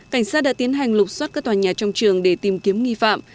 cảnh sát đã tiến hành lục xoát các tòa nhà trong trường để tìm kiếm nghi phạm